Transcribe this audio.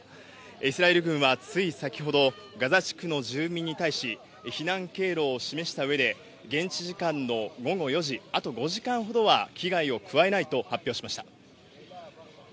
イスラエル軍はつい先ほど、ガザ地区の住民に対し、避難経路を示したうえで、現地時間の午後４時、あと５時間ほどは危害を加えないと発表しました。